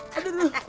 diam diam diam